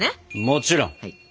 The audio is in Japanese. もちろん！